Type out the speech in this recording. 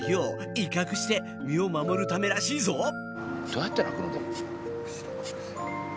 どうやって鳴くの？でも。